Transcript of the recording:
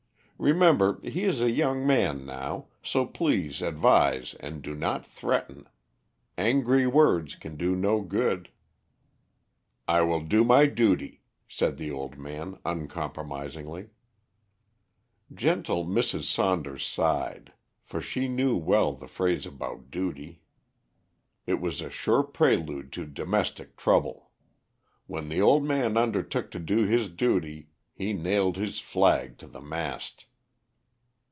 Remember, he is a young man now, so please advise and do not threaten. Angry words can do no good." "I will do my duty," said the old man, uncompromisingly. Gentle Mrs. Saunders sighed for she well knew the phrase about duty. It was a sure prelude to domestic trouble. When the old gentleman undertook to do his duty, he nailed his flag to the mast.